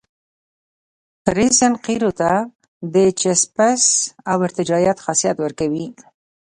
رزین قیرو ته د چسپش او ارتجاعیت خاصیت ورکوي